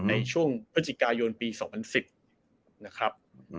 ในช่วงพฤศจิกายนปี๒๐๑๐นะครับ